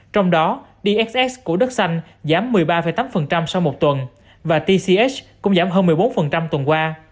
trong đó dxx của đất xanh giám một mươi ba tám sau một tuần và tch cũng giám hơn một mươi bốn tuần qua